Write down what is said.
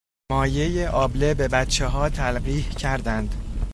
مایهٔ آبله به بچه ها تلقیح کردند.